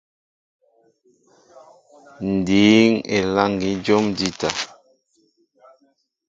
Ǹ dǐŋ elâŋ̀i jǒm njíta.